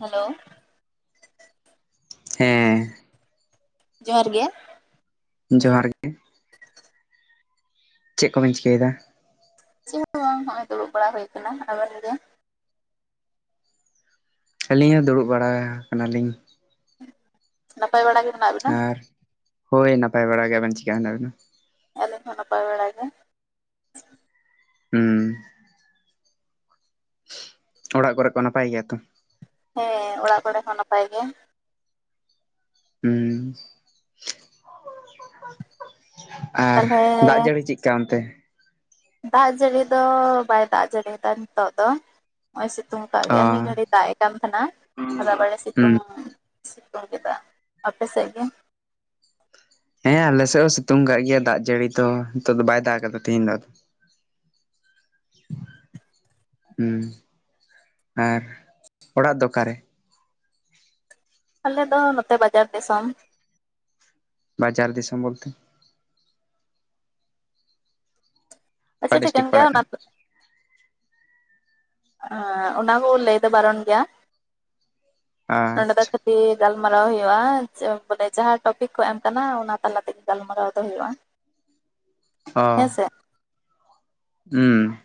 Hello. ᱦᱮᱸ ᱾ ᱡᱚᱦᱟᱨ ᱜᱮ ᱾ ᱡᱚᱦᱟᱨ ᱜᱮ ᱪᱮᱫ ᱠᱚᱵᱮᱱ ᱪᱤᱠᱟᱹᱭᱫᱟ? ᱪᱮᱫ ᱦᱚᱸ ᱵᱟᱝ ᱱᱚᱜ-ᱚᱭ ᱫᱩᱲᱩᱵ ᱵᱟᱲᱟ ᱦᱩᱭ ᱠᱟᱱᱟ ᱟᱵᱮᱱ ᱫᱚ? ᱟᱹᱞᱤᱧ ᱦᱚᱸ ᱫᱩᱲᱩᱵ ᱵᱟᱲᱟ ᱟᱠᱟᱱᱞᱤᱧ ᱾ ᱱᱟᱯᱟᱭ ᱵᱟᱲᱟ ᱜᱮ ᱢᱮᱱᱟᱜ ᱵᱤᱱᱟ ᱾ ᱟᱨ ᱦᱳᱭ ᱱᱟᱯᱟᱭ ᱵᱟᱲᱟ ᱜᱮ, ᱟᱵᱮᱱ ᱪᱤᱫᱠᱟ ᱦᱮᱱᱟᱜ ᱵᱮᱱᱟ? ᱟᱹᱞᱤᱧ ᱦᱚᱸ ᱱᱟᱯᱟᱭ ᱵᱟᱲᱟ ᱜᱮ ᱾ ᱦᱩᱸ ᱚᱲᱟᱜ ᱠᱚᱨᱮ ᱠᱚ ᱱᱟᱯᱟᱭ ᱜᱮᱭᱟ ᱛᱚ? ᱦᱮᱸ ᱚᱲᱟᱜ ᱠᱚᱨᱮ ᱦᱚᱸ ᱱᱟᱯᱟᱭ ᱜᱮ᱾ ᱦᱩᱸ ᱾ ᱟᱨ ᱛᱟᱞᱦᱮ ᱫᱟᱜ ᱡᱟᱹᱲᱤ ᱪᱮᱫ ᱠᱟ ᱚᱱᱛᱮ? ᱫᱟᱜ ᱡᱟᱹᱲᱤ ᱫᱚ ᱵᱟᱭ ᱫᱟᱜ ᱡᱟᱹᱲᱤᱭᱫᱟ ᱱᱤᱛᱚᱜ ᱫᱚ᱾ ᱱᱚᱜ-ᱚᱭ ᱥᱤᱛᱩᱝ ᱠᱟᱜ ᱚ ᱜᱮᱭᱟ ᱢᱤᱫ ᱜᱷᱟᱹᱲᱤᱡ ᱫᱟᱜ ᱮᱫ ᱠᱟᱱ ᱛᱟᱦᱮᱱᱟ ᱟᱵᱟᱨ ᱮ ᱦᱩᱸ ᱥᱤᱛᱩᱝ ᱥᱤᱛᱩᱝ ᱠᱮᱫᱟ ᱟᱯᱮ ᱥᱮᱫ ᱫᱚ? ᱦᱮᱸ ᱟᱞᱮ ᱥᱮᱫ ᱦᱚᱸ ᱥᱤᱛᱩᱝ ᱠᱟᱜ ᱜᱮᱭᱟ ᱫᱟᱜ ᱡᱟᱹᱲᱤ ᱫᱚ ᱱᱤᱛᱚᱜ ᱫᱚ ᱵᱟᱭ ᱫᱟᱜ ᱠᱟᱫᱟ ᱛᱮᱦᱤᱧ ᱫᱚ ᱟᱫᱚ᱾ ᱦᱩᱸ ᱟᱨ ᱚᱲᱟᱜ ᱫᱚ ᱚᱠᱟᱨᱮ? ᱟᱞᱮ ᱫᱚ ᱱᱚᱛᱮ ᱵᱟᱡᱟᱨ ᱫᱤᱥᱚᱢ᱾ ᱵᱟᱡᱟᱨ ᱫᱤᱥᱚᱢ ᱵᱚᱞᱛᱮ ᱚᱠᱟ ᱟᱪᱪᱷᱟ ᱰᱤᱥᱴᱤᱠ ᱴᱷᱤᱠᱟᱹᱱ ᱜᱮᱭᱟ ᱯᱟᱲᱟᱜ ᱚᱱᱟ ᱠᱟᱱᱟ? ᱚᱱᱟ ᱠᱚ ᱞᱟᱹᱭ ᱫᱚ ᱵᱟᱨᱚᱱ ᱜᱮᱭᱟ ᱱᱚᱰᱮ ᱫᱚ ᱟᱪᱪᱷᱟ ᱠᱤ ᱜᱟᱞᱢᱟᱨᱟᱣ ᱦᱩᱭᱩᱜ-ᱟ ᱵᱚᱞᱮ ᱡᱟᱦᱟᱸ ᱴᱚᱯᱤᱠ ᱠᱚ ᱮᱢ ᱠᱟᱱᱟ ᱚᱱᱟ ᱛᱟᱞᱟ ᱛᱮᱜᱮ ᱜᱟᱞᱢᱟᱨᱟᱣ ᱫᱚ ᱦᱩᱭᱩᱜ-ᱟ᱾ [unintelligible] ᱦᱮᱸ ᱥᱮ᱾ ᱦᱩᱸ ᱾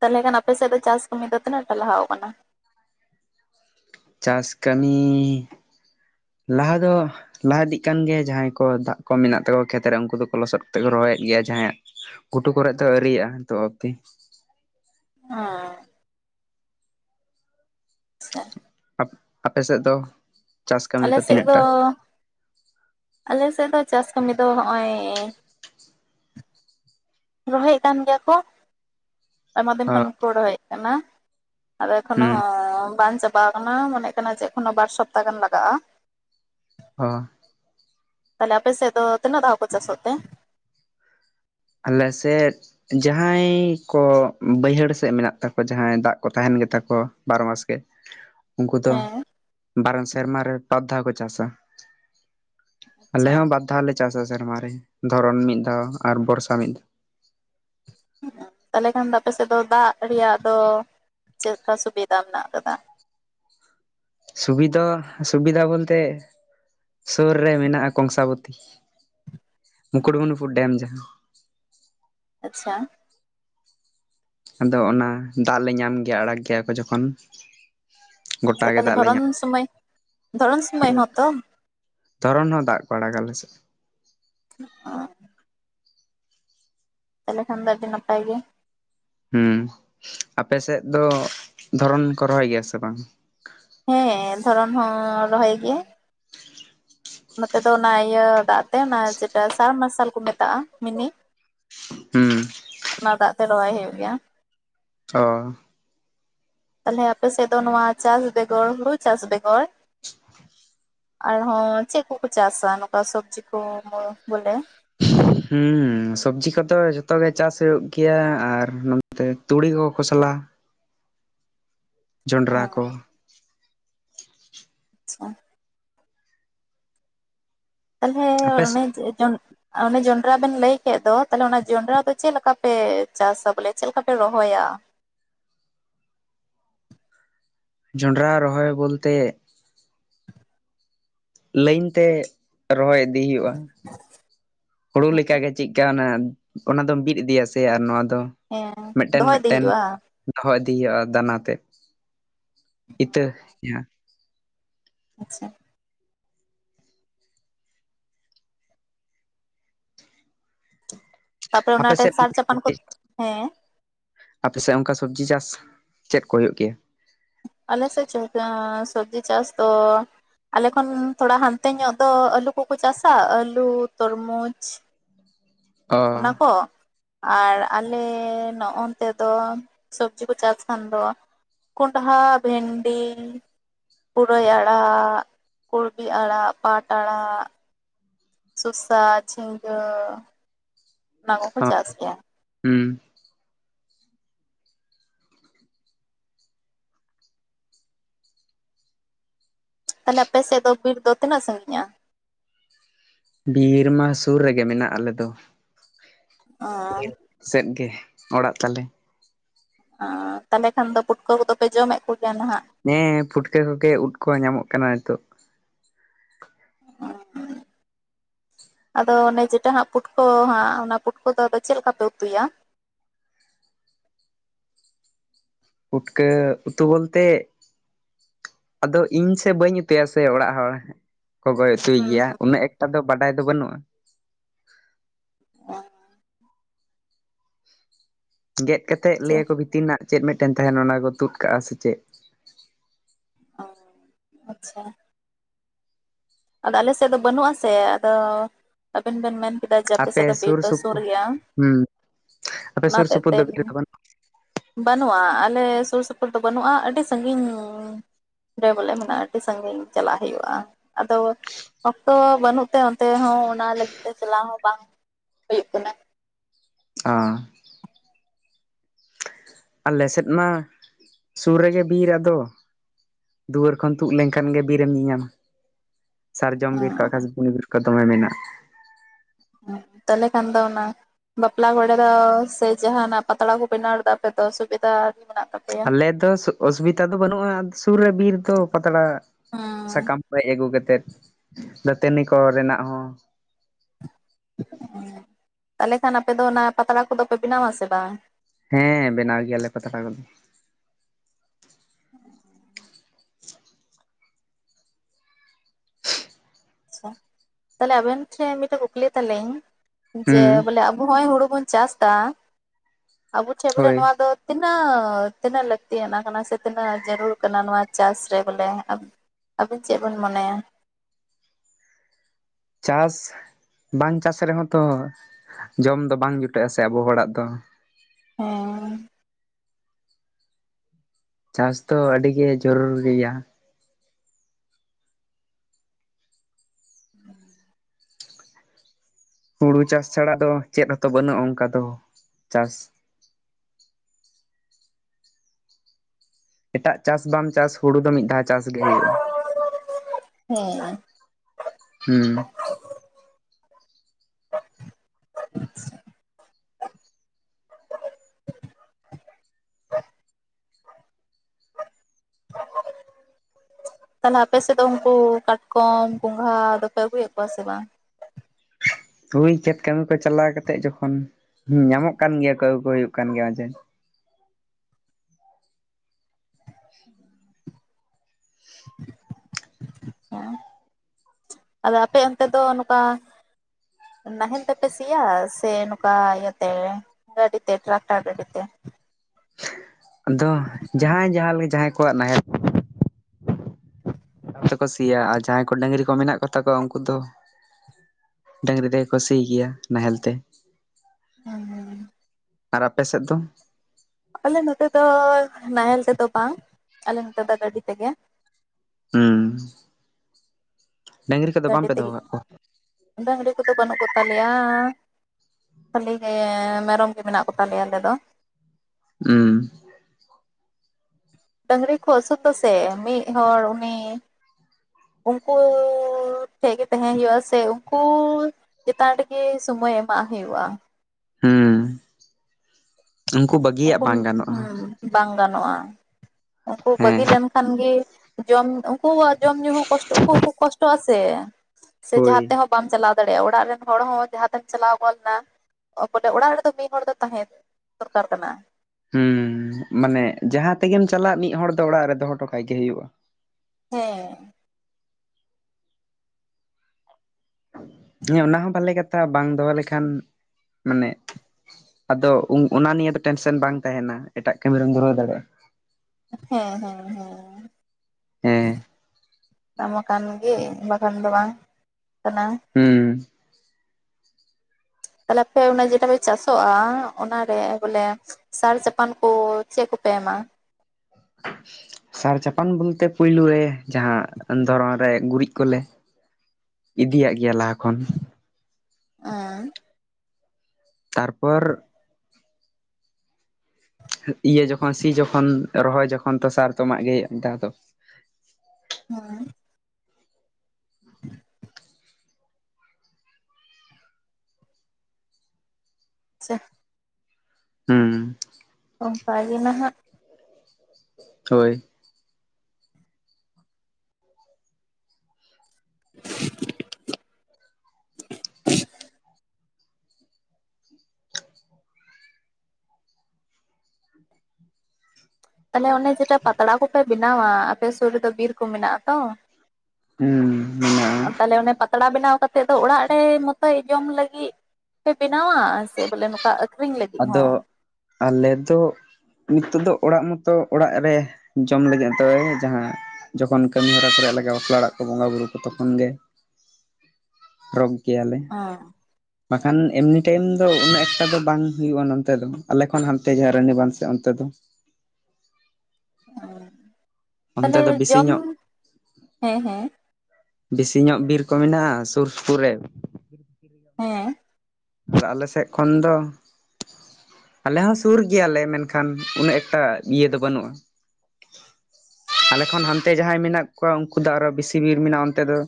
ᱛᱟᱦᱚᱞᱮ ᱠᱷᱟᱱ ᱟᱯᱮ ᱥᱮᱫ ᱫᱚ ᱪᱟᱥ ᱠᱟᱹᱢᱤ ᱫᱚ ᱛᱤᱱᱟᱹᱜ ᱴᱟ ᱞᱟᱦᱟᱣ ᱟᱠᱟᱱᱟ? ᱪᱟᱥ ᱠᱟᱹᱢᱤ ᱞᱟᱦᱟ ᱫᱚ ᱞᱟᱦᱟ ᱤᱫᱤᱜ ᱠᱟᱱ ᱜᱮᱭᱟ ᱡᱟᱦᱟᱸᱭ ᱠᱚ ᱫᱟᱜ ᱠᱚ ᱢᱮᱱᱟᱜ ᱛᱟᱠᱚᱣᱟ ᱠᱷᱮᱛᱨᱮ ᱩᱱᱠᱩ ᱫᱚᱠᱚ ᱞᱚᱥᱚᱫ ᱠᱟᱛᱮ ᱠᱚ ᱨᱚᱦᱚᱭᱮᱫ ᱜᱮᱭᱟ, ᱡᱟᱦᱟᱸᱭᱟᱜ ᱜᱷᱩᱴᱩ ᱠᱚᱨᱮ ᱫᱚ ᱟᱹᱨᱤᱭᱟᱜ-ᱟ, ᱛᱚ ᱛᱤ [unintelligible] [unintelligible] ᱟᱯᱮ ᱥᱮᱫ ᱫᱚ ᱪᱟᱥ ᱠᱟᱹᱢᱤ ᱟᱞᱮ ᱠᱚ ᱥᱮᱫ ᱛᱤᱱᱟᱹᱜ ᱫᱚ ᱴᱟ ᱟᱞᱮ ᱥᱮᱫ ᱫᱚ ᱪᱟᱥ ᱠᱟᱹᱢᱤ ᱫᱚ ᱦᱚᱜ-ᱚᱭ ᱨᱚᱦᱚᱭᱮᱫ ᱠᱟᱱ ᱜᱮᱭᱟ ᱠᱚ ᱟᱭᱢᱟ ᱫᱤᱱ ᱚ ᱠᱷᱚᱱ ᱜᱮᱠᱚ ᱨᱚᱦᱚᱭᱮᱫ ᱠᱟᱱᱟ᱾ ᱟᱫᱚ ᱮᱠᱷᱚᱱᱚ ᱦᱩᱸ ᱦᱚᱸ ᱵᱟᱝ ᱪᱟ ᱵᱟ ᱠᱟᱱᱟ ᱢᱚᱱᱮ ᱠᱟᱱᱟ ᱡᱮ ᱮᱠᱷᱱᱳ ᱵᱟᱨ ᱥᱚᱯᱛᱟ ᱜᱟᱱ ᱞᱟᱜᱟᱜ-ᱟ᱾ ᱦᱚᱸ ᱛᱟᱦᱚᱞᱮ ᱟᱯᱮ ᱥᱮᱫ ᱫᱚ ᱛᱤᱱᱟ ᱫᱷᱟᱣ ᱠᱚ ᱪᱟᱥᱚᱜᱛᱮ? ᱟᱞᱮ ᱥᱮᱫ ᱡᱟᱦᱟᱸᱭᱻ ᱠᱚ ᱵᱟᱹᱭᱦᱟᱹᱲ ᱥᱮᱫ ᱢᱮᱱᱟᱜ ᱛᱟᱠᱚᱣᱟ ᱡᱟᱦᱟᱸᱭ ᱫᱟᱜ ᱠᱚ ᱛᱟᱦᱮᱱ ᱜᱮᱛᱟ ᱠᱚᱣᱟ ᱵᱟᱨᱚ ᱢᱟᱥ ᱜᱮ᱾ ᱩᱱᱠᱩ ᱫᱚ, ᱦᱮᱸ ᱵᱟᱨᱚ ᱥᱮᱨᱢᱟ ᱨᱮ ᱵᱟᱨ ᱫᱷᱟᱣ ᱠᱚ ᱪᱟᱥ-ᱟ᱾ ᱟᱞᱮ ᱟᱪᱪᱷᱟ ᱦᱚᱸ ᱵᱟᱨ ᱫᱷᱟᱣ ᱞᱮ ᱪᱟᱥᱟ ᱥᱮᱨᱢᱟᱨᱮ, ᱫᱷᱚᱨᱚᱱ ᱢᱤᱫ ᱫᱷᱟᱣ ᱟᱨ ᱵᱚᱨᱥᱟ ᱢᱤᱼ ᱛᱟᱦᱞᱮ ᱠᱷᱟᱱ ᱫᱚ ᱟᱯᱮ ᱥᱮᱫ ᱫᱚ ᱫᱟᱜ ᱨᱮᱭᱟᱜ ᱫᱚ ᱪᱮᱫᱠᱟ ᱥᱩᱵᱤᱫᱷᱟ ᱢᱮᱱᱟᱜ ᱟᱠᱟᱫᱟ? ᱥᱩᱵᱤᱫᱚ, ᱥᱩᱵᱤᱫᱷᱟ ᱵᱚᱞᱛᱮᱼᱼ ᱥᱩᱨ ᱨᱮ ᱢᱮᱱᱟᱜ-ᱟ ᱠᱚᱝᱥᱟᱵᱚᱛᱤ, ᱢᱩᱠᱩᱴᱢᱩᱱᱤᱯᱩᱨ ᱰᱮᱢ ᱡᱟᱸᱦᱟ᱾ ᱟᱪᱪᱷᱟ᱾ ᱟᱫᱚ ᱚᱱᱟ ᱫᱟᱜ ᱞᱮ ᱧᱟᱢ ᱜᱮᱭᱟ ᱟᱲᱟᱜ ᱜᱮᱭᱟ ᱠᱚ ᱡᱚᱠᱷᱚᱱ᱾ ᱪᱮᱫ ᱜᱚᱴᱟ ᱜᱮ ᱛᱟᱦᱞᱮ ᱫᱟᱜ ᱞᱮ ᱫᱷᱚᱨᱚᱱ ᱧᱟᱢ ᱥᱚᱢᱚᱭ, ᱫᱷᱚᱨᱚᱱ ᱥᱚᱢᱚᱭ ᱜᱮᱭᱟ, ᱦᱚᱸᱛᱚ᱾ ᱫᱷᱚᱨᱚᱱ ᱦᱚᱸ ᱫᱟᱜ ᱠᱚ ᱟᱲᱟᱜᱟ ᱟᱞᱮᱥᱮᱜ᱾ ᱚᱸ᱾ ᱛᱟᱦᱞᱮ ᱠᱷᱟᱱ ᱫᱚ ᱟᱹᱰᱤ ᱱᱟᱯᱟᱭ ᱜᱮ᱾ ᱦᱩᱸ᱾ ᱟᱯᱮ ᱥᱮᱫ ᱫᱚ ᱫᱷᱚᱨᱚᱱ ᱠᱚ ᱨᱚᱦᱚᱭ ᱜᱮᱭᱟ ᱥᱮ ᱵᱟᱝ? ᱦᱮᱸᱻ ᱫᱷᱚᱨᱚᱱ ᱦᱚᱸᱻ ᱨᱚᱦᱚᱭ ᱜᱮ᱾ ᱱᱚᱛᱮ ᱫᱚ ᱚᱱᱟ ᱤᱭᱟᱹ ᱫᱟᱜ ᱛᱮ ᱚᱱᱟ ᱡᱮᱴᱟ ᱥᱟᱢᱟᱨᱥᱟᱞ ᱠᱚ ᱢᱮᱛᱟᱜ-ᱟ ᱢᱤᱱᱤ᱾ ᱦᱩᱸ᱾ ᱚᱱᱟ ᱫᱟᱜ ᱛᱮ ᱨᱚᱦᱚᱭ ᱦᱩᱭᱩᱜ ᱜᱮᱭᱟ᱾ ᱚᱻ ᱛᱟᱦᱞᱮ ᱟᱯᱮᱥᱮᱫ ᱫᱚ ᱱᱚᱣᱟ ᱪᱟᱥ ᱵᱮᱜᱚᱨ ᱦᱩᱲᱩ ᱪᱟᱥ ᱵᱮᱜᱚᱨ ᱟᱨᱦᱚᱸᱻ ᱱᱚᱝᱠᱟᱱ ᱪᱮᱫ ᱠᱚᱠᱚ ᱪᱟᱥ-ᱟ ᱱᱚᱠᱟ ᱥᱚᱵᱽᱡᱤ ᱠᱚᱻ ᱵᱚᱞᱮ? [unintelligible] ᱦᱩᱸᱻ ᱥᱚᱵᱽᱡᱤ ᱠᱚᱫᱚ ᱡᱷᱚᱛᱚ ᱜᱮ ᱪᱟᱥ ᱦᱩᱭᱩᱜ ᱜᱮᱭᱟ ᱟᱨ ᱱᱚᱱᱛᱮ ᱛᱩᱲᱤ ᱦᱚ ᱠᱷᱚᱥᱞᱟ᱾ ᱡᱚᱱᱰᱨᱟ ᱠᱚ᱾ ᱟᱪᱪᱷᱟ ᱟᱪᱷᱟ᱾ ᱛᱟᱦᱞᱮ ᱟᱯᱮ ᱥᱮᱫ ᱚᱱᱮ ᱡᱮ ᱡᱚᱱᱼᱼ ᱚᱱᱮ ᱡᱚᱸᱰᱨᱟ ᱵᱮᱱ ᱞᱟᱹᱭ ᱠᱮᱫ ᱫᱚ ᱛᱟᱦᱞᱮ ᱚᱱᱟ ᱡᱚᱱᱰᱨᱟ ᱫᱚ ᱪᱮᱫ ᱞᱮᱠᱟᱯᱮ ᱪᱟᱥᱟ ᱵᱚᱞᱮ ᱪᱮᱫ ᱞᱮᱠᱟ ᱯᱮ ᱨᱚᱦᱚᱭᱟ? ᱡᱚᱸᱱᱰᱨᱟ ᱨᱚᱦᱚᱭ ᱵᱚᱞᱛᱮ ᱞᱟᱹᱭᱤᱱ ᱛᱮ ᱨᱚᱦᱚᱭ ᱤᱫᱤ ᱦᱩᱭᱩᱜ-ᱟ᱾ ᱦᱩᱲᱩ ᱞᱮᱠᱟᱜᱮ ᱪᱮᱫᱠᱟ ᱚᱱᱟ ᱚᱱᱟ ᱫᱚᱢ ᱵᱤᱫ ᱤᱫᱤᱭᱟ ᱥᱮ ᱟᱨ ᱱᱚᱣᱟ ᱫᱚ, ᱦᱮᱸ ᱢᱤᱫᱴᱮᱱ ᱫᱚᱦᱚ ᱤᱫᱤ ᱢᱤᱫᱴᱮᱱ ᱦᱩᱭᱩᱜᱼᱟ ᱫᱚᱦᱚ ᱤᱫᱤᱭ ᱦᱩᱭᱩᱜ-ᱟ ᱫᱟᱱᱟ ᱛᱮᱫ᱾ ᱤᱛᱟᱹ ᱡᱟᱸᱦᱟ᱾ ᱟᱪᱪᱷᱟ᱾ ᱛᱟᱯᱚᱨᱮ ᱟᱯ ᱚᱱᱟᱨᱮ ᱥᱮᱫ ᱥᱟᱨ ᱪᱟᱯᱟᱱ ᱠᱚ [unintelligible] ᱦᱮᱸ ᱟᱯᱮᱥᱮᱫ ᱚᱱᱠᱟ ᱥᱚᱵᱽᱡᱤ ᱪᱟᱥ ᱪᱮᱫ ᱠᱚ ᱦᱩᱭᱩᱜ ᱜᱮᱭᱟ? ᱟᱞᱮ ᱥᱮ ᱪᱚᱭᱠᱟ ᱥᱚᱵᱡᱤ ᱪᱟᱥ ᱫᱚᱻ ᱟᱞᱮ ᱠᱷᱚᱱ ᱛᱷᱚᱲᱟ ᱦᱟᱱᱛᱮ ᱧᱚᱜ ᱫᱚ ᱟᱹᱞᱩ ᱠᱚᱠᱚ ᱪᱟᱥ-ᱟ᱾ ᱟᱹᱞᱩ, ᱛᱚᱨᱢᱩᱡᱽ ᱚ ᱚᱱᱟ ᱠᱚ᱾ ᱟᱨ ᱟᱞᱮᱻ ᱱᱚᱜ-ᱚᱱᱛᱮ ᱫᱚ ᱥᱚᱵᱽᱡᱤ ᱠᱚ ᱪᱟᱥ ᱠᱷᱟᱱ ᱫᱚ ᱠᱚᱸᱰᱦᱟ, ᱵᱷᱮᱱᱰᱤ, ᱯᱩᱨᱟᱹᱭ ᱟᱲᱟᱜ, ᱠᱩᱲᱵᱤ ᱟᱲᱟᱜ, ᱯᱟᱴ ᱟᱲᱟᱜ, ᱥᱚᱥᱟ, ᱡᱷᱤᱸᱜᱟᱹ ᱚᱱᱟ ᱠᱚᱠᱚ ᱪᱟᱥ ᱜᱮᱭᱟ᱾ ᱦᱩᱸ᱾ ᱛᱟᱞᱦᱮ ᱟᱯᱮ ᱥᱮᱫ ᱫᱚ ᱵᱤᱨ ᱫᱚ ᱛᱤᱱᱟᱹᱜ ᱥᱟᱺᱜᱤᱧᱟ? ᱵᱤᱨᱻᱢᱟ ᱥᱩᱨ ᱨᱮᱜᱮ ᱢᱮᱱᱟᱜ-ᱟ ᱟᱞᱮ ᱫᱚ᱾ ᱚ ᱥᱮᱫ ᱜᱮ ᱚᱲᱟᱜ ᱛᱟᱞᱮ᱾ ᱟᱸ ᱛᱟᱞᱦᱮ ᱠᱷᱟᱱ ᱫᱚ ᱯᱩᱴᱼ ᱠᱳ ᱫᱚᱯᱮ ᱡᱚᱢ ᱮᱜ ᱠᱚᱜᱮᱭᱟ ᱱᱟᱦᱟᱜ᱾ ᱦᱮᱸ ᱯᱷᱩᱴᱠᱟᱹ ᱠᱚᱜᱮ ᱩᱫ ᱠᱚ ᱧᱟᱢᱚᱜ ᱠᱟᱱᱟ ᱱᱤᱛᱚᱜ᱾ [inaudible] ᱟᱫᱚ ᱚᱱᱮ ᱪᱮᱴᱟ ᱦᱟᱸᱜ ᱯᱩᱴᱠᱟᱹ ᱦᱟᱸᱜ ᱚᱱᱟ ᱯᱩᱴᱠᱟᱹ ᱫᱚ ᱟᱫᱚ ᱪᱮᱫ ᱞᱮᱠᱟ ᱯᱮ ᱩᱛᱩᱭᱟ? ᱯᱩᱴᱠᱟᱹ ᱩᱛᱩ ᱵᱚᱞᱛᱮ ᱟᱫᱚ ᱤᱧ ᱥᱮ ᱵᱟᱹᱧ ᱩᱛᱩᱭᱟ ᱥᱮ ᱚᱲᱟᱜ ᱦᱚᱲ᱾ ᱜᱚᱜᱚᱭ ᱩᱛᱩᱭ ᱦᱩᱸ ᱜᱮᱭᱟ ᱩᱱᱟᱹᱜ ᱮᱠᱴᱟ ᱫᱚ ᱵᱟᱰᱟᱭ ᱫᱚ ᱵᱟᱹᱱᱩᱜ-ᱟ᱾ ᱚᱸ ᱜᱮᱫ ᱠᱟᱛᱮᱫ ᱞᱟᱹᱭᱟ ᱠᱚ ᱵᱷᱤᱛᱤᱨ ᱨᱮᱱᱟᱜ ᱪᱮᱫ ᱢᱤᱫᱴᱟᱹᱝ ᱛᱟᱦᱮᱱᱟ ᱚᱱᱟ ᱠᱚ ᱛᱩᱫ ᱠᱟᱜ-ᱟ ᱥᱮ ᱪᱮᱫ᱾ ᱚ ᱟᱪᱪᱷᱟ, ᱟᱫᱚ ᱟᱞᱮ ᱥᱮᱫ ᱫᱚ ᱵᱟᱹᱱᱩᱜ-ᱟ ᱥᱮ ᱟᱫᱚ ᱟᱵᱤᱱ ᱵᱮᱱ ᱢᱮᱱ ᱠᱮᱫᱟ ᱡᱮ ᱟᱯᱮ ᱥᱮᱫ ᱫᱚ ᱵᱤᱨ ᱫᱚ ᱥᱩᱨ ᱜᱮᱭᱟ᱾ ᱦᱩᱸ ᱟᱯᱮ ᱥᱩᱨ ᱥᱩᱯᱩᱨ ᱫᱚ [unintelligible] ᱵᱟᱱᱩᱜ-ᱟ ᱟᱞᱮ ᱥᱩᱨ ᱥᱩᱯᱩᱨ ᱫᱚ ᱵᱟᱱᱩᱜ-ᱟ ᱟᱹᱰᱤ ᱥᱟᱺᱜᱤᱧ ᱨᱮ ᱵᱚᱞᱮ ᱢᱮᱱᱟᱜ-ᱟ, ᱟᱹᱰᱤ ᱥᱟᱺᱜᱤᱧ ᱪᱟᱞᱟᱜ ᱦᱩᱭᱩᱜ-ᱟ ᱟᱫᱚ ᱚᱠᱛᱚ ᱵᱟᱹᱱᱩᱜ ᱛᱮ ᱚᱱᱛᱮ ᱦᱚᱸ ᱚᱱᱟ ᱞᱟᱹᱜᱤᱫ ᱛᱮ ᱪᱟᱞᱟᱣ ᱦᱚᱸ ᱵᱟᱝ ᱦᱩᱭᱩᱜ ᱠᱟᱱᱟ᱾ ᱟᱸ ᱟᱞᱮ ᱥᱮᱫ ᱢᱟ ᱥᱩᱨ ᱨᱮᱜᱮ ᱵᱤᱨ ᱟᱫᱚ ᱫᱩᱣᱟᱹᱨ ᱠᱷᱚᱱ ᱛᱩᱫ ᱞᱮᱱᱠᱷᱟᱱ ᱜᱮ ᱵᱤᱨ ᱮᱢ ᱧᱮᱧᱟᱢᱟ᱾ ᱥᱟᱨᱡᱚᱢ ᱵᱤᱨ ᱠᱚ ᱟᱠᱟᱥᱵᱩᱱᱤ ᱵᱤᱨ ᱠᱚ ᱫᱚᱢᱮ ᱢᱮᱱᱟᱜ-ᱟ᱾ ᱦᱩᱸ ᱛᱟᱞᱦᱮ ᱠᱷᱟᱱ ᱫᱚ ᱚᱱᱟ ᱵᱟᱯᱞᱟ ᱠᱚᱨᱮ ᱫᱚ ᱥᱮ ᱡᱟᱦᱟᱱᱟᱜ ᱯᱟᱛᱲᱟ ᱠᱚ ᱵᱮᱱᱟᱣ ᱮᱫᱟ ᱯᱮ ᱛᱚ ᱥᱩᱵᱤᱫᱷᱟ ᱢᱮᱱᱟᱜ ᱛᱟᱯ- ᱟᱞᱮ ᱫᱚ ᱚᱥᱩᱵᱤᱛᱟ ᱫᱚ ᱵᱟᱹᱱᱩᱜ-ᱟ ᱥᱩᱨ ᱨᱮ ᱵᱤᱨ ᱫᱚ ᱯᱟᱛᱲᱟ ᱦᱩᱸ ᱥᱟᱠᱟᱢ ᱠᱚ ᱦᱮᱡ ᱟᱹᱜᱩ ᱠᱟᱛᱮᱫ ᱫᱟᱹᱛᱟᱹᱱᱤ ᱠᱚ ᱨᱮᱱᱟᱜ ᱦᱚᱸ ᱩᱸ ᱛᱟᱞᱦᱮ ᱠᱷᱟᱱ ᱟᱯᱮ ᱫᱚ ᱚᱱᱟ ᱯᱟᱛᱲᱟ ᱠᱚᱫᱚ ᱯᱮ ᱵᱮᱱᱟᱣᱟ ᱥᱮ ᱵᱟᱝ? ᱦᱮᱸ ᱵᱮᱱᱟᱣ ᱜᱮᱭᱟᱞᱮ ᱯᱟᱛᱲᱟ ᱠᱚᱫᱚ᱾ [inaudible] ᱟᱪᱪᱷᱟ ᱛᱟᱦᱚᱞᱮ ᱟᱵᱮᱱ ᱴᱷᱮᱱ ᱢᱤᱫᱴᱮᱡ ᱠᱩᱠᱞᱤ ᱛᱟᱞᱤᱧ᱾ ᱡᱮ ᱦᱩᱸ ᱵᱚᱞᱮ ᱟᱵᱚ ᱦᱚᱸᱜ-ᱚᱭ ᱦᱩᱲᱩ ᱵᱚᱱ ᱪᱟᱥ ᱫᱟ ᱟᱵᱚ ᱴᱷᱮᱱ ᱵᱚᱞᱮ ᱦᱳᱭ ᱱᱚᱣᱟ ᱫᱚ ᱛᱤᱱᱟᱹᱜ ᱛᱤᱱᱟᱹᱜ ᱞᱟᱹᱠᱛᱤᱭᱟᱱᱟ ᱠᱟᱱᱟ ᱥᱮ ᱛᱤᱱᱟᱹᱜ ᱡᱟᱹᱨᱩᱲ ᱠᱟᱱᱟ ᱱᱚᱣᱟ ᱪᱟᱥ ᱨᱮ ᱵᱚᱞᱮ ᱟᱵᱤᱱ ᱪᱮᱫ ᱵᱤᱱ ᱢᱚᱱᱮᱭᱟ? ᱪᱟᱥ ᱵᱟᱝ ᱪᱟᱥ ᱨᱮᱦᱚᱸ ᱛᱚ ᱡᱚᱢ ᱫᱚ ᱵᱟᱝ ᱡᱩᱴᱟᱹᱜ-ᱟ ᱥᱮ ᱟᱵᱚ ᱦᱚᱲᱟᱜ ᱫᱚ᱾ ᱦᱮᱸ ᱪᱟᱥ ᱫᱚ ᱟᱹᱰᱤ ᱜᱮ ᱡᱚᱨᱩᱨ ᱜᱮᱭᱟ᱾ ᱦᱩᱲᱩ ᱪᱟᱥ ᱪᱷᱟᱲᱟ ᱫᱚ ᱪᱮᱫ ᱦᱚᱸᱛᱚ ᱵᱟᱹᱱᱩᱜ-ᱟ ᱚᱝᱠᱟ ᱫᱚ ᱪᱟᱥ᱾ ᱮᱴᱟᱜ ᱪᱟᱥ ᱵᱟᱢ ᱪᱟᱥ ᱦᱩᱲᱩ ᱫᱚ ᱢᱤᱫ ᱫᱷᱟᱣ ᱪᱟᱥ ᱜᱮ ᱦᱩᱭᱩᱜ-ᱟ᱾ ᱦᱮᱸ ᱦᱩᱸ [inaudible] ᱛᱟᱞᱦᱮ ᱟᱯᱮ ᱥᱮᱫ ᱫᱚ ᱩᱝᱠᱩ ᱠᱟᱴᱠᱚᱢ, ᱜᱚᱸᱜᱷᱟ ᱫᱚᱯᱮ ᱟᱹᱜᱩᱭᱮᱜ ᱠᱚᱣᱟ ᱥᱮ ᱵᱟᱝ? ᱦᱩᱭ ᱠᱷᱮᱛ ᱠᱟᱢᱤ ᱠᱚ ᱪᱟᱞᱟᱣ ᱠᱟᱛᱮᱜ ᱡᱚᱠᱷᱚᱱ ᱧᱟᱢᱚᱜ ᱠᱟᱱ ᱜᱮᱭᱟ ᱠᱚ ᱟᱹᱜᱩ ᱦᱩᱭᱩᱜ ᱠᱟᱱ ᱜᱮᱭᱟ ᱢᱟᱡᱷᱮ ᱢᱟ- [inaudible] ᱟᱫᱚ ᱟᱯᱮ ᱚᱱᱛᱮ ᱫᱚ ᱱᱚᱝᱠᱟ ᱱᱟᱦᱮᱞ ᱛᱮᱯᱮ ᱥᱤᱭᱟ ᱥᱮ ᱱᱚᱝᱠᱟ ᱤᱭᱟᱹᱛᱮ, ᱜᱟᱹᱰᱤ ᱛᱮ ᱴᱨᱠᱴᱟᱨ ᱜᱟᱹᱰᱤ ᱛᱮ? ᱟᱫᱚ ᱡᱟᱦᱟᱸᱭ ᱡᱟᱦᱟᱸ ᱞᱮ ᱡᱟᱦᱟᱸᱭ ᱠᱚᱣᱟᱜ ᱱᱟᱦᱮᱞ ᱛᱮᱠᱚ ᱥᱤᱭᱟ ᱟᱨ ᱡᱟᱦᱟᱸᱭ ᱠᱚ ᱰᱟᱹᱝᱨᱤ ᱠᱚ ᱢᱮᱱᱟᱜ ᱠᱚᱛᱟ ᱠᱚᱣᱟ ᱩᱱᱠᱩ ᱫᱚ ᱰᱟᱹᱟᱝᱨᱤ ᱛᱮᱜᱮ ᱠᱚ ᱥᱤ ᱜᱮᱭᱟ ᱱᱟᱦᱮᱞ ᱛᱮ᱾ ᱦᱮᱸ ᱦᱮᱸ ᱟᱨ ᱟᱯᱮ ᱥᱮᱫ ᱫᱚ? ᱟᱞᱮ ᱱᱚᱛᱮ ᱫᱚ ᱱᱟᱦᱮᱞ ᱛᱮᱫᱚ ᱵᱟᱝ ᱟᱞᱮ ᱱᱚᱛᱮ ᱫᱚ ᱜᱟᱹᱰᱤ ᱛᱮᱜᱮ᱾ ᱦᱩᱸ ᱰᱟᱹᱝᱨᱤ ᱠᱚᱫᱚ ᱜᱟᱹᱰᱤ ᱵᱟᱝᱯᱮ ᱛᱮᱜᱮ ᱫᱚᱦᱚ ᱠᱟᱜ ᱠᱚᱣᱟ ᱰᱟᱝᱨᱤ ᱠᱚᱫᱚ ᱵᱟᱹᱱᱩᱜ ᱠᱚᱛᱟᱞᱮᱭᱟᱻ ᱠᱷᱟᱹᱞᱤ ᱮᱸ ᱢᱮᱨᱚᱢ ᱜᱮ ᱢᱮᱱᱟᱜ ᱠᱚᱛᱟᱞᱮᱭᱟ ᱟᱞᱮ ᱫᱚ᱾ ᱩᱸ ᱰᱟᱝᱨᱤ ᱠᱚ ᱟᱹᱥᱩᱞ ᱫᱚᱥᱮ ᱢᱤᱫ ᱦᱚᱲ ᱩᱱᱤ ᱩᱱᱠᱩ ᱴᱷᱮᱡ ᱜᱮ ᱛᱟᱦᱮᱸ ᱦᱩᱭᱩᱜᱼᱟ ᱥᱮ ᱩᱱᱠᱩᱻ ᱪᱮᱛᱟᱱ ᱨᱮᱜᱮ ᱥᱳᱢᱳᱭ ᱮᱢᱟᱜ ᱦᱩᱭᱩᱜᱼᱟ᱾ ᱦᱩᱸ ᱩᱱᱠᱩ ᱵᱟᱹᱜᱤᱭᱟᱜ ᱵᱟᱝ ᱜᱟᱱᱚᱜᱼᱟ᱾ ᱵᱟᱝ ᱜᱟᱱᱚᱜᱼᱟ ᱩᱱᱠᱩ ᱵᱟᱹᱜᱤ ᱦᱮᱸ ᱞᱮᱱᱠᱷᱟᱱ ᱜᱮ ᱡᱚᱢ ᱩᱱᱠᱩᱣᱟᱜ ᱡᱚᱢ ᱧᱩ ᱦᱚᱸ ᱠᱚᱥᱴᱚ ᱩᱱᱠᱩ ᱦᱚᱸᱠᱚ ᱠᱚᱥᱴᱚᱜᱼᱟ ᱥᱮ, ᱥᱮ ᱡᱟᱦᱟᱸ ᱦᱳᱭ ᱛᱮᱦᱚᱸ ᱵᱟᱢ ᱪᱟᱞᱟᱣ ᱫᱟᱲᱮᱭᱟᱜᱼᱟ ᱚᱲᱟᱜ ᱨᱮᱱ ᱦᱚᱲ ᱦᱚᱸ ᱡᱟᱦᱟᱸ ᱛᱮᱢ ᱪᱟᱞᱟᱣ ᱜᱚᱫᱱᱟ, ᱛᱟᱯᱟᱨᱮ ᱚᱲᱟᱜ ᱦᱚᱲ ᱫᱚ ᱢᱤᱫ ᱦᱚᱲ ᱫᱚ ᱛᱟᱦᱮᱸ ᱫᱚᱨᱠᱟᱨ ᱠᱟᱱᱟ᱾ ᱦᱩᱸ ᱢᱟᱱᱮ ᱡᱟᱦᱟᱸ ᱛᱮᱜᱮᱢ ᱪᱟᱞᱟᱜ ᱢᱤᱫ ᱦᱚᱲ ᱫᱚ ᱚᱲᱟᱜ ᱨᱮ ᱫᱚᱦᱚᱴᱚᱠᱟᱭ ᱜᱮ ᱦᱩᱭᱩᱜᱼᱟ᱾ ᱦᱮᱸ ᱦᱮᱸ ᱚᱱᱟ ᱦᱚᱸ ᱵᱷᱟᱞᱮ ᱠᱟᱛᱷᱟ ᱵᱟᱝ ᱫᱚᱦᱚ ᱞᱮᱠᱷᱟᱱ ᱢᱟᱱᱮ ᱟᱫᱚ ᱩᱝ ᱚᱱᱟ ᱱᱤᱭᱮ ᱫᱚ ᱴᱮᱱᱥᱮᱱ ᱵᱟᱝ ᱛᱟᱦᱮᱱᱟ ᱮᱴᱟᱜ ᱠᱟᱹᱢᱤ ᱨᱮᱢ ᱫᱷᱩᱨᱟᱹᱣ ᱫᱟᱲᱮᱭᱟᱜᱼᱟ᱾ ᱦᱮᱸ ᱦᱮᱸ ᱦᱮᱸ᱾ ᱦᱮᱸ᱾ ᱧᱟᱢ ᱟᱠᱟᱱ ᱜᱮ ᱵᱟᱠᱷᱟᱱ ᱫᱚ ᱵᱟᱝ ᱠᱟᱱᱟ᱾ ᱦᱩᱸ᱾ ᱛᱟᱦᱚᱞᱮ ᱟᱯᱮ ᱚᱱᱟ ᱡᱮᱴᱟ ᱯᱮ ᱪᱟᱥᱚᱜᱼᱟ ᱚᱱᱟᱨᱮ ᱵᱚᱞᱮ ᱥᱟᱨ ᱪᱟᱯᱟᱱ ᱠᱚ ᱪᱮᱫ ᱠᱚᱯᱮ ᱮᱢᱟᱜ-ᱟ? ᱥᱟᱨ ᱪᱟᱯᱟᱱ ᱵᱚᱞᱛᱮ ᱯᱩᱭᱞᱩ ᱨᱮ ᱡᱟᱦᱟᱸ ᱫᱷᱚᱨᱚᱱ ᱨᱮ ᱜᱩᱨᱤᱡ ᱠᱚᱞᱮ ᱤᱫᱤᱭᱟᱜ ᱜᱮᱭᱟ ᱞᱟᱦᱟ ᱠᱷᱚᱱ᱾ ᱮᱸ ᱛᱟᱨᱯᱚᱨ ᱤᱭᱟᱹ ᱡᱚᱠᱷᱚᱱ ᱥᱤ ᱡᱚᱠᱷᱚᱱ ᱨᱚᱦᱚᱭ ᱡᱚᱠᱷᱚᱱ ᱛᱚ ᱥᱟᱨ ᱛᱚ ᱮᱢᱟᱜ ᱜᱮ ᱦᱩᱭᱩᱜ ᱢᱤᱫᱫᱷᱟᱣ ᱫᱚ ᱾ ᱦᱮᱸ [inaudible] ᱟᱪᱪᱷᱟ᱾ ᱦᱩᱸ ᱚᱱᱠᱟ ᱜᱮ ᱱᱟᱦᱟᱸᱜ᱾ ᱦᱳᱭ [unintelligible] ᱛᱟᱦᱚᱞᱮ ᱚᱱᱮ ᱡᱮᱴᱟ ᱯᱟᱛᱲᱟ ᱠᱚᱯᱮ ᱵᱮᱱᱟᱣᱟ ᱟᱯᱮ ᱥᱩᱨ ᱨᱮᱫᱚ ᱵᱤᱨ ᱠᱚ ᱢᱮᱱᱟᱜ-ᱟ ᱛᱚ᱾ ᱦᱩᱸ ᱢᱮᱱᱟᱜᱼᱟ ᱟᱨ ᱛᱟᱦᱟᱞᱮ ᱚᱱᱮ ᱯᱟ ᱯᱟᱛᱲᱟ ᱵᱮᱱᱟᱣ ᱠᱟᱛᱮ ᱫᱚ ᱚᱲᱟᱜ ᱨᱮ ᱢᱚᱛᱚᱡ ᱡᱚᱢ ᱞᱟᱹᱜᱤᱫ ᱯᱮ ᱵᱮᱱᱟᱣᱟ ᱥᱮ ᱵᱚᱞᱮ ᱱᱚᱝᱠᱟ ᱟᱹ ᱟᱫᱚ ᱟᱞᱮ ᱫᱚ ᱱᱤᱛᱳᱜ ᱫᱚ ᱚᱲᱟᱜ ᱢᱚᱛᱚ ᱚᱲᱟᱜ ᱨᱮ ᱡᱚᱢ ᱞᱟᱹᱜᱤᱫ ᱱᱤᱛᱚᱜ ᱫᱚ ᱡᱟᱦᱟᱸ ᱡᱚᱠᱷᱚᱱ ᱠᱟᱹᱢᱤᱦᱚᱨᱟ ᱠᱚᱨᱮ ᱞᱟᱜ ᱵᱟᱯᱞᱟ ᱚᱲᱟᱜ ᱠᱚ ᱵᱚᱸᱜᱟᱼᱵᱩᱨᱩ ᱠᱚ ᱛᱚᱠᱷᱚᱱ ᱜᱮ ᱦᱚᱨᱳᱜᱽ ᱜᱮᱭᱟᱞᱮ ᱚᱸ ᱵᱟᱠᱷᱟᱱ ᱮᱢᱱᱤ ᱴᱟᱭᱤᱢ ᱫᱚ ᱩᱱᱟᱹᱜ ᱮᱠᱴᱟ ᱫᱚ ᱵᱟᱝ ᱦᱩᱭᱩᱜᱼᱟ ᱱᱚᱱᱛᱮ ᱫᱚ ᱟᱞᱮ ᱠᱷᱚᱱ ᱦᱟᱱᱛᱮ ᱡᱟᱦᱟᱸ ᱨᱟᱱᱤ ᱵᱟᱸᱫᱥᱮᱫ ᱚᱱᱛᱮ ᱫᱚ᱾ ᱚ᱾ ᱚᱱᱛᱮ ᱫᱚ ᱵᱮᱥᱤ ᱧᱚᱜ᱿ ᱦᱮᱸ ᱦᱮᱸ ᱵᱮᱥᱤ ᱧᱚᱜ ᱵᱤᱨ ᱠᱚ ᱢᱮᱱᱟᱜᱼᱟ ᱥᱩᱨ ᱥᱩᱯᱩᱨ ᱨᱮ? ᱦᱮᱸ᱾ ᱟᱨ ᱟᱞᱮ ᱥᱮᱫ ᱠᱷᱚᱱ ᱫᱚ ᱟᱞᱮ ᱦᱚᱸ ᱥᱩᱨ ᱜᱮᱭᱟᱞᱮ ᱢᱮᱱᱠᱷᱟᱱ ᱩᱱᱟᱹᱜ ᱮᱠᱴᱟ ᱤᱭᱟᱹ ᱫᱚ ᱵᱟᱹᱱᱩᱜᱼᱟ᱾ ᱟᱞᱮ ᱠᱷᱚᱱ ᱦᱟᱱᱛᱮ ᱡᱟᱦᱟᱸᱭ ᱢᱮᱱᱟᱜ ᱠᱚᱣᱟ ᱩᱱᱠᱩ ᱫᱚ ᱟᱨᱚ ᱵᱮᱥᱤ ᱵᱤᱨ ᱢᱮᱱᱟᱜᱼᱟ ᱚᱱᱛᱮ ᱫᱚ᱾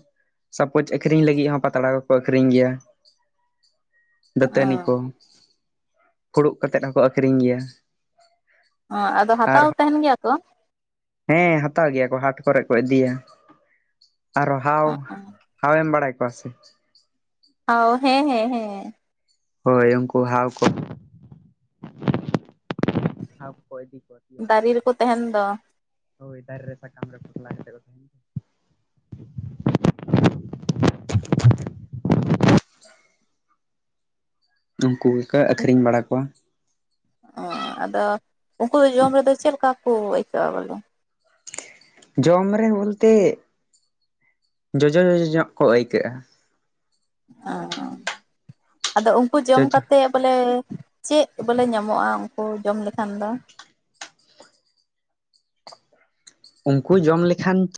ᱥᱟᱯᱳᱡ ᱟᱠᱷᱨᱤᱧ ᱞᱟᱹᱜᱤᱫ ᱦᱚᱸ ᱯᱟᱛᱲᱟ ᱠᱚᱠᱚ ᱟᱠᱷᱨᱤᱧ ᱜᱮᱭᱟ᱾ ᱫᱟᱹᱛᱟᱹᱱᱤ ᱚᱸ ᱠᱚ ᱯᱷᱩᱲᱩᱜ ᱠᱟᱛᱮᱫ ᱦᱚᱸᱠᱚ ᱟᱠᱷᱨᱤᱧ ᱜᱮᱭᱟ᱾ ᱚ ᱟᱫᱚ ᱟᱨ ᱦᱟᱛᱟᱣ ᱛᱟᱦᱮᱱ ᱜᱮᱭᱟ ᱠᱚ? ᱦᱮᱸ ᱦᱟᱛᱟᱣ ᱜᱮᱭᱟ ᱠᱚ ᱦᱟᱴ ᱠᱚᱨᱮ ᱠᱚ ᱤᱫᱤᱭᱟ᱾ ᱟᱨᱚ ᱦᱟᱣ ᱦᱟᱣᱮᱢ ᱵᱟᱲᱟᱭ ᱠᱚᱣᱟ ᱥᱮ? ᱚ ᱦᱮᱸ ᱦᱮᱸ ᱦᱮᱸ᱾ ᱦᱳᱭ ᱩᱱᱠᱩ ᱦᱟᱣ ᱠᱚ᱾ ᱦᱟᱣ ᱠᱚᱠᱚ ᱤᱫᱤ ᱠᱚᱣᱟ ᱛᱤᱭᱚᱜ ᱫᱟᱨᱮ ᱠᱟᱛᱮ᱾ ᱨᱮᱠᱚ ᱛᱟᱦᱮᱱ ᱫᱚ ᱦᱳᱭ ᱫᱟᱨᱮ ᱨᱮ ᱥᱟᱠᱟᱢ ᱨᱮ ᱯᱚᱴᱞᱟ ᱠᱟᱛᱮᱜᱮ ᱠᱚ ᱛᱟᱦᱮᱱ ᱼᱟ ᱾ ᱩᱱᱠᱩ ᱜᱮᱠᱚ ᱟᱹᱠᱷᱨᱤᱧ ᱵᱟᱲᱟ ᱠᱚᱣᱟ᱾ ᱚ ᱟᱫᱚ ᱩᱱᱠᱩ ᱫᱚ ᱡᱚᱢ ᱨᱮᱫᱚ ᱪᱮᱫ ᱞᱮᱠᱟ ᱠᱚ ᱟᱹᱭᱠᱟᱹᱜᱼᱟ ᱵᱚᱞᱮ? ᱡᱚᱢ ᱨᱮ ᱵᱚᱞᱛᱮ ᱡᱚᱡᱚᱼ ᱡᱚᱡᱚ ᱧᱚᱜ ᱠᱚ ᱟᱹᱭᱠᱟᱹᱜᱼᱟ‍᱾ ᱚ ᱟᱫᱚ ᱩᱱᱠᱩ ᱡᱚᱢ ᱡᱚᱡᱚ ᱠᱟᱛᱮ ᱵᱚᱞᱮ ᱪᱮᱫ ᱵᱚᱞᱮ ᱧᱟᱢᱚᱜᱼᱟ ᱩᱱᱠᱩ ᱡᱚᱢ ᱞᱮᱠᱷᱟᱱ ᱫᱚ? [inaudible] ᱩᱱᱠᱩ ᱡᱚᱢ ᱞᱮᱠᱷᱟᱱ